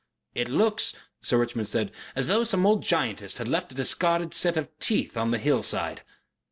"It looks," Sir Richmond said, "as though some old giantess had left a discarded set of teeth on the hillside."